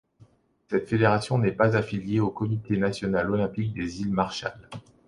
Cette fédération n'est pas affiliée au Comité national olympique des îles Marshall.